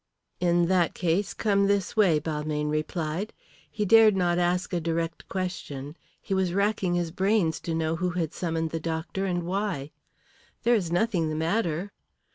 "In that case come this way," Balmayne replied. He dared not ask a direct question. He was racking his brains to know who had summoned the doctor, and why. "There is nothing the matter."